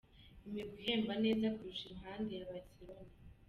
Imigwi ihemba neza kurusha iruhande ya Barcelona .